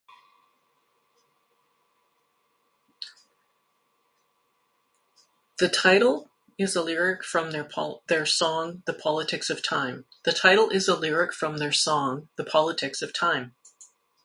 The title is a lyric from their song The Politics of Time.